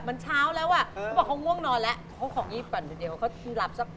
เมศชาวที่เคยคิดไว้เนี่ยคิดว่า๒กระบอก๑๐๐